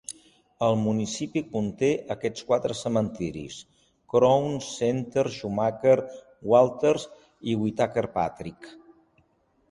El municipi conté aquests quatre cementeris: Crown Center, Shumaker, Walters i Whitaker-Patrick.